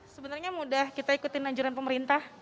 sebenarnya mudah kita ikutin anjuran pemerintah